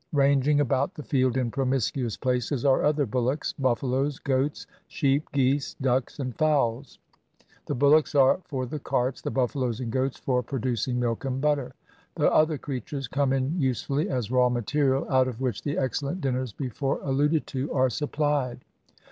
Ranging about the field in promiscuous places are other bullocks, buffaloes, goats, sheep, geese, ducks, and fowls. The bullocks are for the carts, the buffaloes and goats for producing milk and butter. The other creatures come in usefully as raw material, out of which the excellent dinners before alluded to are supplied.